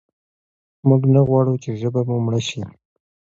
موږ نه غواړو چې ژبه مو مړه شي.